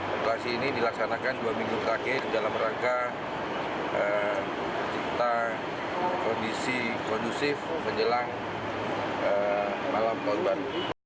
operasi ini dilaksanakan dua minggu terakhir dalam rangka kondisi kondusif menjelang malam korban